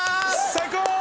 最高！